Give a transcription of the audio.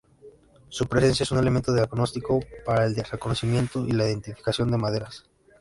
Su presencia es un elemento diagnóstico para el reconocimiento y la identificación de maderas.